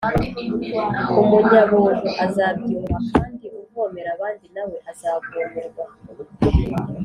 umunyabuntu azabyibuha, kandi uvomera abandi na we azavomerwa